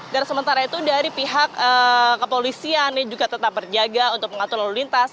dan sementara itu dari pihak kepolisian ini juga tetap berjaga untuk mengatur lalu lintas